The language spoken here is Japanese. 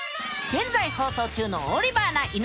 現在放送中の「オリバーな犬」。